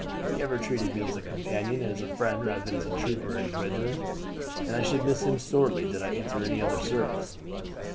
He ever treated me as a companion and as a friend rather than as a trooper in his regiment, and I should miss him sorely did I enter any other service.